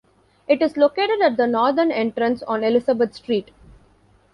It is located at the northern entrance on Elizabeth Street.